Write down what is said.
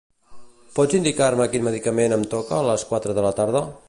Pots indicar-me quin medicament em toca a les quatre de la tarda?